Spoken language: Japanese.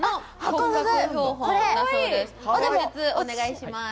解説、お願いします。